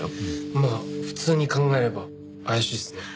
まあ普通に考えれば怪しいっすね。